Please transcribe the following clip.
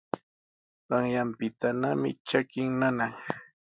Qanyaanpitanami trakin nana.